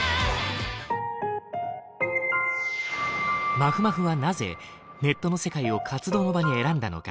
まふまふはなぜネットの世界を活動の場に選んだのか。